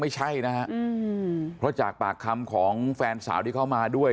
ไม่ใช่นะฮะเพราะจากปากคำของแฟนสาวที่เขามาด้วย